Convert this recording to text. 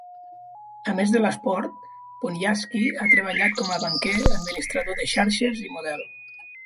A més de l'esport, Bonjasky ha treballat com a banquer, administrador de xarxes i model.